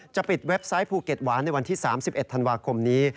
ปิดเว็บไซต์ภูเก็ตหวานในวันที่๓๑ธันวาคมนี้